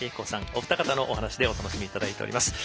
お二方の解説でお楽しみいただいております。